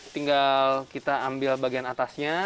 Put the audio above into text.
tinggal kita ambil bagian atasnya